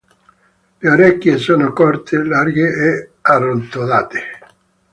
Le orecchie sono corte, larghe e arrotondate.